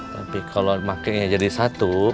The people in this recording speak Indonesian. tapi kalau makinnya jadi satu